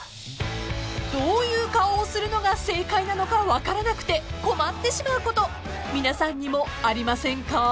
［どういう顔をするのが正解なのか分からなくて困ってしまうこと皆さんにもありませんか？］